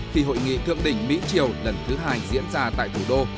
khi hội nghị thượng đỉnh mỹ triều lần thứ hai diễn ra tại thủ đô